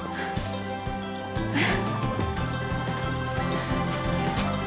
えっ？